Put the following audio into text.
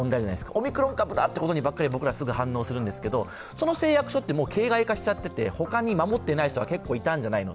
オミクロン株だということばかり僕ら反応してしまうんですがその誓約書って、もう形骸化しちゃっていて他に守ってない人が結構いたんではないか。